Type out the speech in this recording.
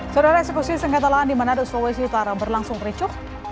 saudara eksekusi sengketa lahan di manado sulawesi utara berlangsung ricuh